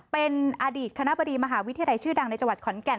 เป็นอดีตคณะบดีมหาวิทยาลัยชื่อดังในจังหวัดขอนแก่น